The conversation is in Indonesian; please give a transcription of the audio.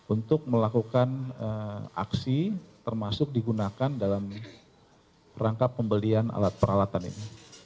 untuk melakukan aksi termasuk digunakan dalam rangka pembelian alat peralatan ini